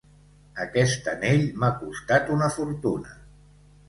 Aquest anell m'ha costat una fortuna.